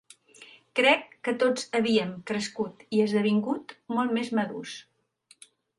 Crec que tots havíem crescut i esdevingut molt més madurs.